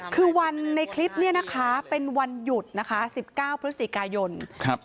คือวันในคลิปเนี่ยนะคะเป็นวันหยุดนะคะสิบเก้าพฤศจิกายนครับ